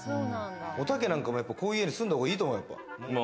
おたけなんかもこういう家に住んだ方がいいよ。